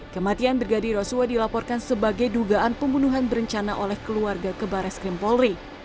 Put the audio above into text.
kematian brigadir yoso hota dilaporkan sebagai dugaan pembunuhan berencana oleh keluarga kebares krim polri